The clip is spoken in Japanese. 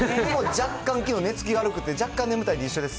若干きょう、寝つき悪くて、若干眠たいんで一緒です。